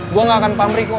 gue gak akan pamrik kok